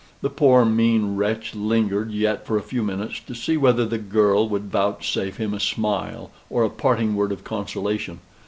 The poor mean wretch lingered yet for a few minutes, to see whether the girl would vouchsafe him a smile, or a parting word of consolation.